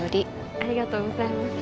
ありがとうございます。